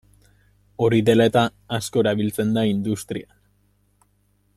Hori dela eta, asko erabiltzen da industrian.